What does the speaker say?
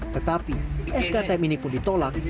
tetapi sktm ini pun ditolak